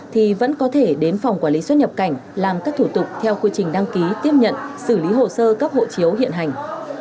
thì vẫn có thể đến phòng quản lý xuất nhập cảnh làm các thủ tục theo quy trình đăng ký tiếp nhận xử lý hồ sơ cấp hộ chiếu hiện hành